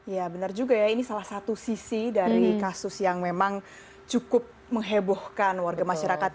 ya benar juga ya ini salah satu sisi dari kasus yang memang cukup menghebohkan warga masyarakat